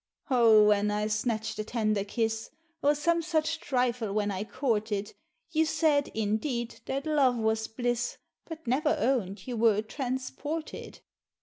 Oh! when I snatch'd a tender kiss, Or some such trifle when I courted, You said, indeed, that love was bliss, But never owned you were transported!